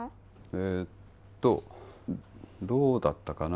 えっとどうだったかな？